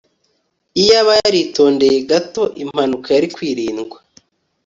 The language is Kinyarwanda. iyaba yaritondeye gato, impanuka yari kwirindwa